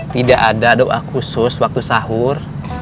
tidak ada doa khusus waktu sahur